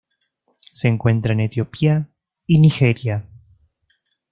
Se encuentra en Etiopía y Nigeria.